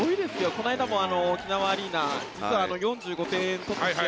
この間も沖縄アリーナ４５点取った試合。